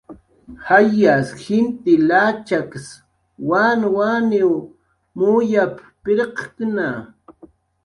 "Jayas jintil achaks wanwaniw muyap"" pirqkna"